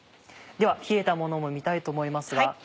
では冷えたものも見たいと思いますが。